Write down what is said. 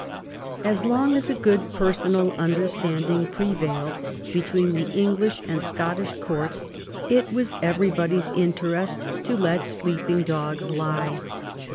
As long as a good personal understanding prevailed between the English and Scottish courts, it was every body's interest to let sleeping dogs lie.